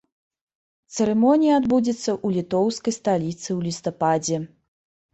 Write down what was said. Цырымонія адбудзецца ў літоўскай сталіцы ў лістападзе.